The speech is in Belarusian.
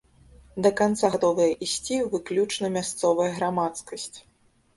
Да канца гатовая ісці выключна мясцовая грамадскасць.